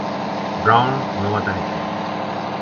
Brown no va tenir fills.